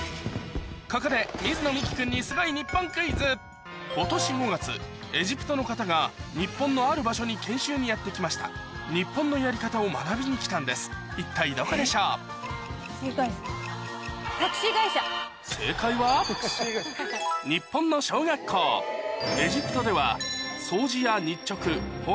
ここで水野美紀君に今年５月エジプトの方が日本のある場所に研修にやって来ました日本のやり方を学びに来たんです一体どこでしょう？を導入した学校が２０１６年から。